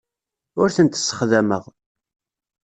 Ur tent-ssexdameɣ.